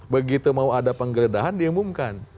begitu mau ada penggeledahan diumumkan